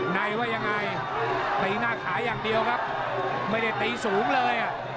ในว่ายังไงตีหน้าขาอย่างเดียวครับไม่ได้ตีสูงเลย